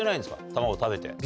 卵食べて。